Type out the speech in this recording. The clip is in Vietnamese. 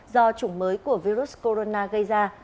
do chủng mới của virus corona gây ra